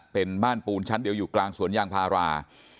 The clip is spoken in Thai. เป็นบ้านปูนชั้นเดียวอยู่กลางสวนยางพารา